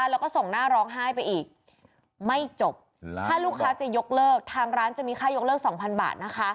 แล้วก็ส่งหน้าร้องไห้ไปอีกไม่จบถ้าลูกค้าจะยกเลิกทางร้านจะมีค่ายกเลิก๒๐๐บาทนะคะ